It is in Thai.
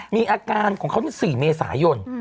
มีอาการของเขา๔เมษายน